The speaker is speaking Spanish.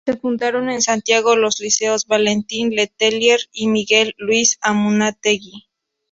Se fundaron en Santiago los liceos Valentín Letelier y Miguel Luis Amunátegui.